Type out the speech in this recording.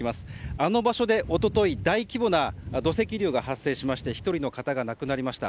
あの場所で一昨日、大規模な土石流が発生しまして１人の方が亡くなりました。